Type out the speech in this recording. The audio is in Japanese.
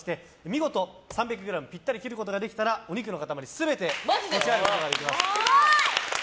見事３００ｇぴったり切ることができればお肉の塊全て持ち帰ることができます。